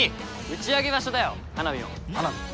打ち上げ場所だよ花火の花火？